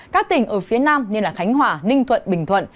các tỉnh ở phía nam như khánh hòa ninh thuận bình thuận